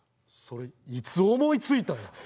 それいつ思いついたんや？